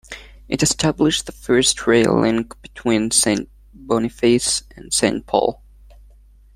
It established the first rail link between Saint Boniface and Saint Paul.